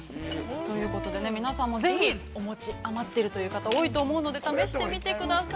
◆ということで、皆さんもぜひお餅も余ってるという方多いと思うので試してみてください。